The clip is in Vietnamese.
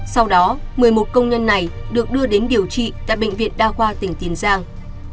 sau đó một mươi một công nhân này được đưa đến điều trị tại bệnh viện đa khoa tỉnh tiền giang